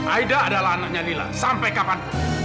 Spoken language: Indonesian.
aida adalah anaknya nila sampai kapan